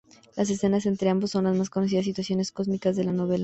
Las escenas entre ambos son de las más conocidas situaciones cómicas de la novela.